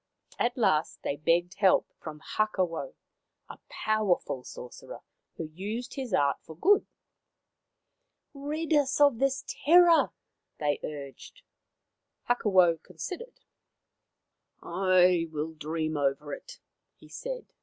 At last they begged help from Hakawau, a powerful sorcerer who used his art for good. " Rid us of this terror/' they urged. Hakawau considered. " I will dream over it/ 1 he said.